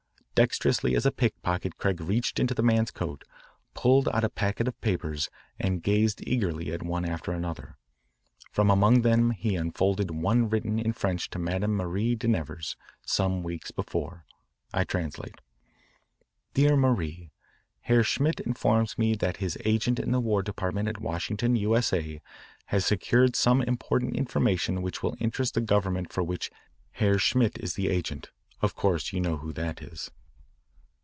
Dexterously as a pickpocket Craig reached into the man's coat, pulled out a packet of papers, and gazed eagerly at one after another. From among them he unfolded one written in French to Madame Marie de Nevers some weeks before. I translate: DEAR MARIE: Herr Schmidt informs me that his agent in the War Department at Washington, U.S.A., has secured some important information which will interest the Government for which Herr Schmidt is the agent of course you know who that is.